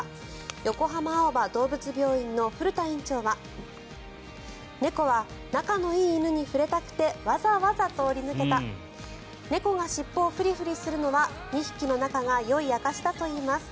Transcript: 横浜青葉どうぶつ病院の古田院長は猫は仲のいい犬に触れたくてわざわざ通り抜けた猫が尻尾をフリフリするのは２匹の仲がよい証しだといいます。